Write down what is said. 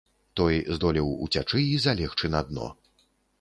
Той здолеў уцячы і залегчы на дно.